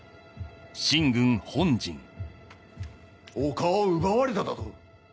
丘を奪われただと？